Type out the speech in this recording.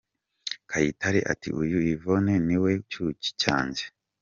Kayitare ati "Uyu Yvonne ni we cyuki cyanjye".